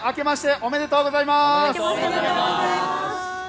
おめでとうございます。